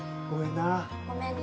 ごめんな